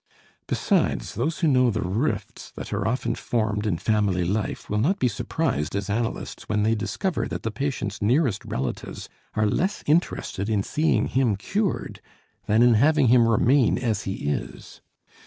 Besides, those who know the rifts that are often formed in family life will not be surprised as analysts when they discover that the patient's nearest relatives are less interested in seeing him cured than in having him remain as he is.